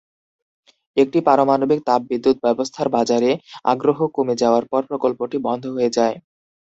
একটি পারমাণবিক তাপবিদ্যুৎ ব্যবস্থার বাজারে আগ্রহ কমে যাওয়ার পর প্রকল্পটি বন্ধ হয়ে যায়।